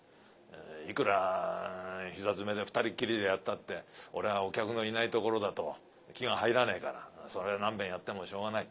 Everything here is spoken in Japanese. いくら膝詰めで２人っきりでやったって俺はお客のいないところだと気が入らねえからそれを何べんやってもしょうがない。